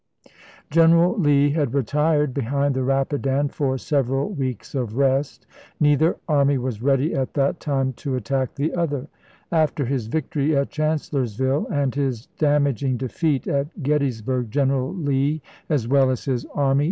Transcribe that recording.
General Lee had retired behind the Rapidan for im. several weeks of rest ; neither army was ready at that time to attack the other. After his victory at Chancellorsville and his damaging defeat at Gettys burg General Lee, as well as his army, needed a 234 ABRAHAM LINCOLN W.